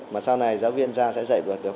mà sau này giáo viên ra sẽ dạy được